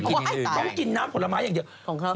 ต้องกินน้ำผลไม้อย่างเดียว